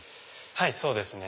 はいそうですね。